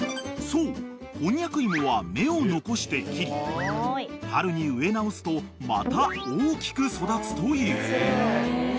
［そうこんにゃく芋は芽を残して切り春に植え直すとまた大きく育つという］